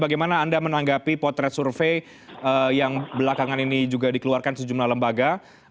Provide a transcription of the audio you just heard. bagaimana anda menanggapi potret survei yang belakangan ini juga dikeluarkan sejumlah lembaga